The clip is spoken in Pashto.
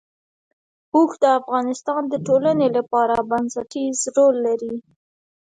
اوښ د افغانستان د ټولنې لپاره بنسټيز رول لري.